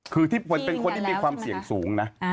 คือที่เป็นคนที่มีความเสี่ยงสูงนะ